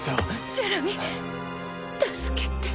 ジェラミー助けて！